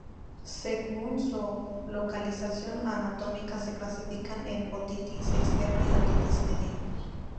Según su localización anatómica se clasifican en otitis externa y otitis media.